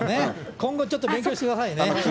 今後ちょっと勉強してくださいね。